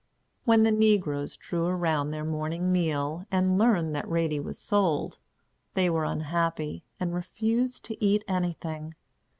When the negroes drew around their morning meal, and learned that Ratie was sold, they were unhappy, and refused to eat anything.